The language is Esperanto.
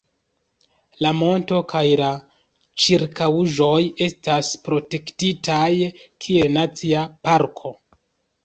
La monto kaj la ĉirkaŭaĵoj estas protektitaj kiel Nacia Parko.